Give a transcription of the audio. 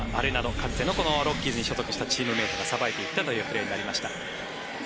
かつてロッキーズに所属していたチームメートがさばいていったというプレーになりました。